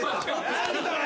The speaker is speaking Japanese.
何それ？